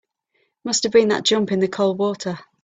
Must have been that jump in the cold water.